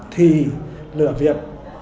thì lờ việt